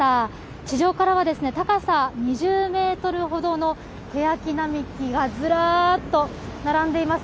地上からはですね、高さ２０メートルほどのケヤキ並木が、ずらっと並んでいます。